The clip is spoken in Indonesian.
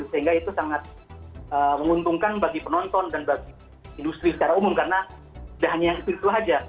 sehingga itu sangat menguntungkan bagi penonton dan bagi industri secara umum karena tidak hanya yang itu itu saja